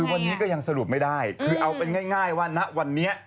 คือวันนี้ยังสรุปไม่ได้คือเอาก็ง่ายว่าวันนี้